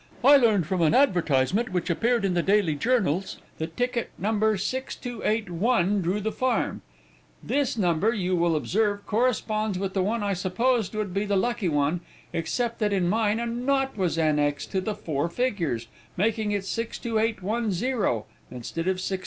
"I learned from an advertisement which appeared in the daily journals, that ticket number 6281 drew the farm. This number, you will observe, corresponds with the one I supposed would be the lucky one, except that in mine a nought was annexed to the four figures, making it 62810, instead of 6281.